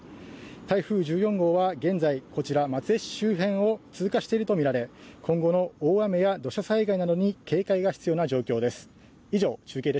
台風１４号は現在、こちら、松江市周辺を通過しているとみられ、今後の大雨や土砂災害などに警戒が必要な状況です。